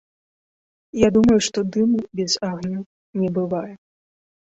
Я думаю, што дыму без агню не бывае.